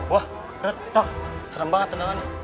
wah retak serem banget tendangannya